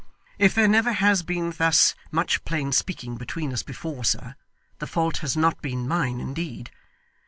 If there never has been thus much plain speaking between us before, sir, the fault has not been mine, indeed.